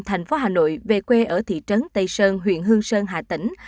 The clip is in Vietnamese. thành phố hà nội về quê ở thị trấn tây sơn huyện hương sơn hà tỉnh